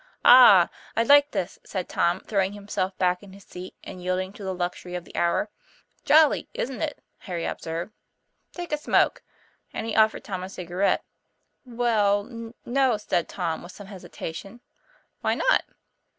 "Ah! I like this," said Tom, throwing himself back in his seat, and yielding to the luxury of the hour. "Jolly, isn't it?" Harry observed. "Take a smoke" and he offered Tom a cigarette. "Well, no," said Tom with some hesitation. " Why not